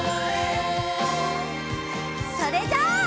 それじゃあ。